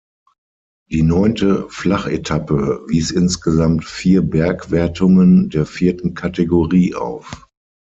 Die neunte Flachetappe wies insgesamt vier Bergwertungen der vierten Kategorie auf.